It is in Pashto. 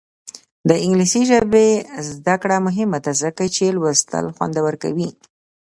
د انګلیسي ژبې زده کړه مهمه ده ځکه چې لوستل خوندور کوي.